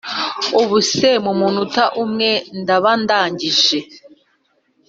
ubuse mumunota umwe ndaba ndangije